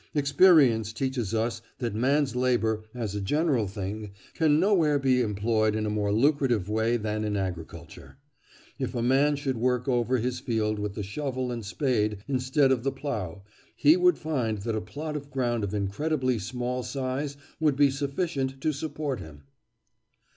Experience teaches us that man's labour as a general thing can nowhere be employed in a more lucrative way than in agriculture. If a man should work over his field with the shovel and spade instead of the plough, he would find that a plot of ground of incredibly small size would be sufficient to support him."